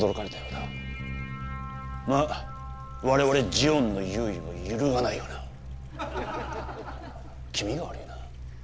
まあ我々ジオンの優位は揺るがないがな気味が悪いな。